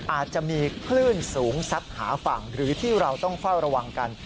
อาจจะมีคลื่นสูงซัดหาฝั่งหรือที่เราต้องเฝ้าระวังกัน